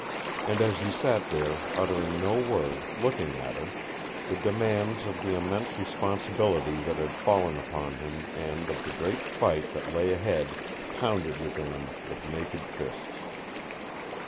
And as he sat there, uttering no word, looking at her, the demands of the immense responsibility that had fallen upon him and of the great fight that lay ahead pounded within him with naked fists.